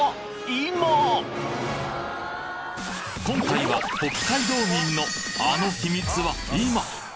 今回は北海道民のあの秘密は今！？